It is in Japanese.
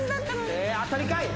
当たりかい。